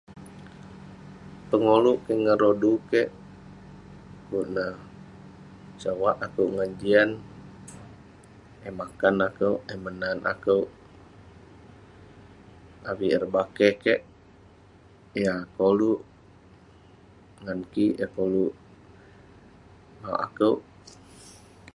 pengolouk keik ngan rodu kik, pu'kuk sovak akouk ngan jian, eh makan akouk eh menat akouk avik ireh bakeh keik yah koluk ngan kik yah koluk mauk akouk